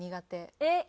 えっ！